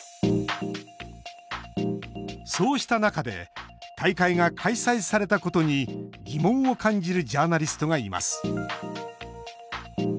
そうした中で大会が開催されたことに疑問を感じるジャーナリストがいます。